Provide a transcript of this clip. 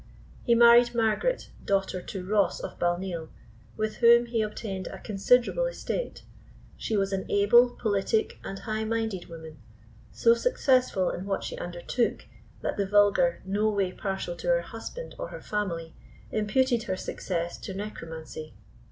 He married Margaret, daughter to Ross of Balneel, with whom he obtained a considerable estate. She was an able, politic, and high minded woman, so successful in what she undertook, that the vulgar, no way partial to her husband or her family, imputed her success to necromancy.